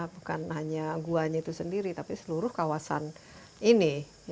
bukan hanya gua nya itu sendiri tapi seluruh kawasan ini